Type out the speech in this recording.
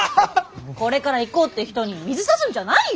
これから行こうって人に水さすんじゃないよ！